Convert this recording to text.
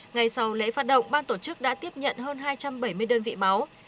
ngày sau lễ phát động ban tổ chức đã tiếp nhận hơn hai trăm bảy mươi đơn vị máu